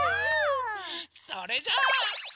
それじゃあ。